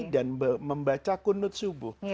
dan membaca kunud subuh